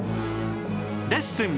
「レッスン！